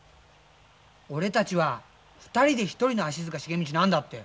俺たちは２人で１人の足塚茂道なんだって。